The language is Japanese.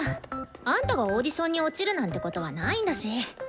あんたがオーディションに落ちるなんてことはないんだし。